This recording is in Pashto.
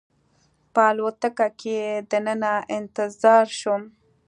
په الوتکه کې دننه انتظار شوم.